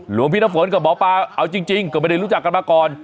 หลวงพี่น้ำฝนกับหมอปลาเอาจริงก็ไม่ได้รู้จักกันมาก่อน